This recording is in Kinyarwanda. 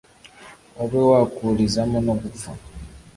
ube wakurizamo no gupfa